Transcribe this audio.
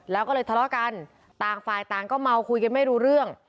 แล้วก็เลยทะเลาะกันต่างฝ่ายต่างก็เมาคุยกันไม่รู้เรื่อง